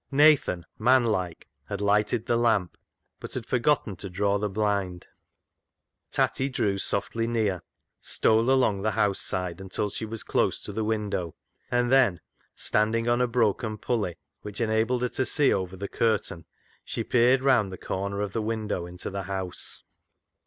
Nathan, man like, had lighted the lamp, but had forgotten to draw the blind. Tatty drew softly near, stole along the house side until she was close to the window, and then, standing on a broken pulley, which enabled her to see over the curtain, she peered round the corner of the window into the house.